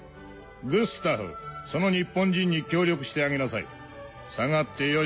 グスタフその日本人に協力してあげなさい下がってよし。